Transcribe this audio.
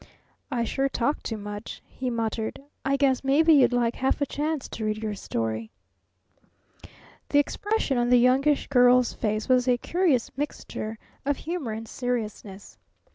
"I sure talk too much," he muttered. "I guess maybe you'd like half a chance to read your story." The expression on the Youngish Girl's face was a curious mixture of humor and seriousness.